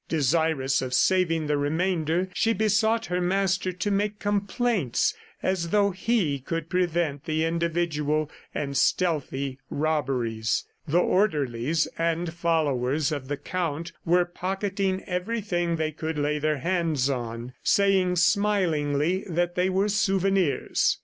Desirous of saving the remainder, she besought her master to make complaints, as though he could prevent the individual and stealthy robberies. The orderlies and followers of the Count were pocketing everything they could lay their hands on, saying smilingly that they were souvenirs.